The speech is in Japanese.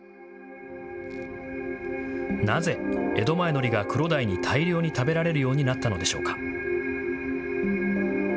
なぜ江戸前のりがクロダイに大量に食べられるようになったのでしょうか。